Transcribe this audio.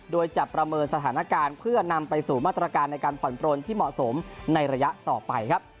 โดยจะประเมินสถานการณ์เพื่อนำไปสู่มาตรการในการผ่อนปลนที่เหมาะสมในระยะต่อไปครับ